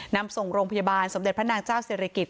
นำส่งโรงพยาบาลสมเด็จพระนางเจ้าศิริกิจ